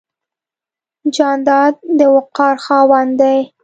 جانداد د وقار خاوند دی.